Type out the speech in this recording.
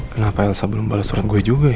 kenapa elsa belum balas orang gue juga ya